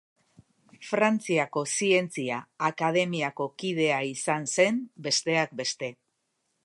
Frantziako Zientzia Akademiako kidea izen zen, besteak beste.